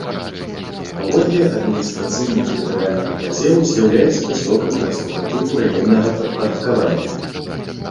Паводле адміністрацыйна-тэрытарыяльнага падзелу з'яўляецца пасёлкам гарадскога тыпу раённага падпарадкавання.